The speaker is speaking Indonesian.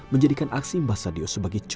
menjadikan aksi mbah sadio sebagai contoh